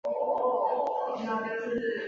沼泽侧颈龟属是一个单种属。